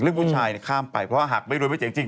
เรื่องผู้ชายข้ามไปเพราะว่าหากไม่รู้ไม่เจ๋งจริง